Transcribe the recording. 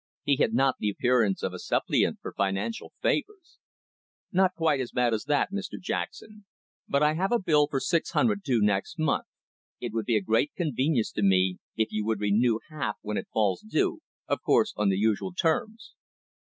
He had not the appearance of a suppliant for financial favours. "Not quite as bad as that, Mr Jackson. But I have a bill for six hundred due next month. It would be a great convenience to me if you would renew half when it falls due, of course on the usual terms."